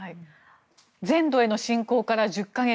全土への侵攻から１０か月。